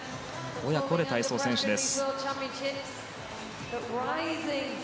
親子で体操選手です。